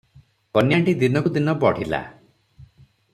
କନ୍ୟାଟି ଦିନକୁ ଦିନ ବଢ଼ିଲା ।